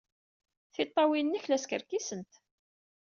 Tiṭṭawin-nnek la skerkisent.